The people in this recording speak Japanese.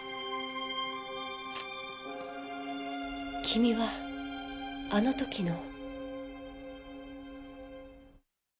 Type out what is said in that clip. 君はあの時の。